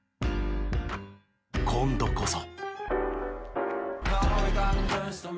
今度こそ。